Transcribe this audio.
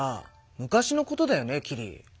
昔のことだよねキリ。